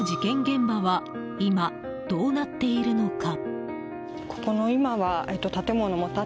現場は今、どうなっているのか。